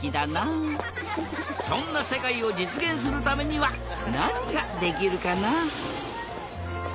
そんなせかいをじつげんするためにはなにができるかな？